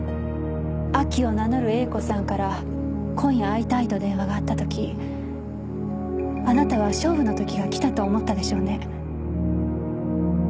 亜希を名乗る英子さんから今夜会いたいと電話があった時あなたは勝負の時が来たと思ったでしょうね。